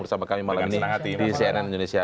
bersama kami malam ini di cnn indonesia